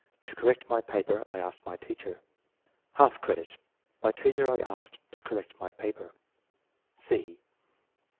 "To correct my paper I asked my teacher." Half credit. "My teacher I asked to correct my paper."